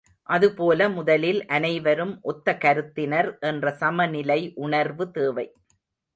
அதுபோல முதலில் அனைவரும் ஒத்த கருத்தினர் என்ற சமநிலை உணர்வு தேவை.